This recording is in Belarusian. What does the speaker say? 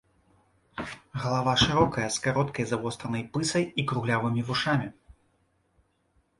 Галава шырокая з кароткай завостранай пысай і круглявымі вушамі.